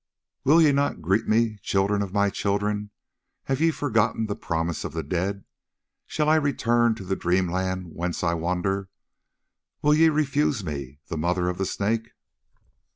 "Will ye not greet me, children of my children? Have ye forgotten the promise of the dead? Shall I return to the dream land whence I wander? Will ye refuse me, the Mother of the Snake?"